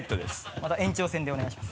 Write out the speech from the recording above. また延長戦でお願いします。